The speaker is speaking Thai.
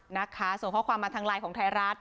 นะคะส่งข้อความมาทางไลน์ของไทยรัฐ